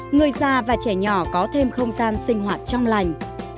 người già và trẻ nhỏ có thêm không gian sinh hoạt trong lành